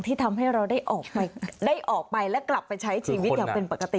ที่ทำให้เราได้ออกไปและกลับไปใช้ชีวิตอย่างเป็นปกติ